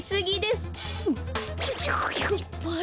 すすっぱい。